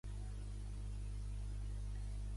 S'anomena el mètode de dades "lead-lead".